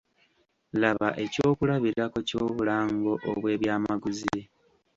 Laba ekyokulabirako ky’obulango obw’ebyamaguzi.